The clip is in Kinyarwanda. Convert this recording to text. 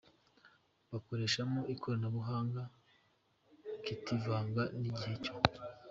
bakoreshamo ikoranabuhanga kitivanga n'ighe cyo.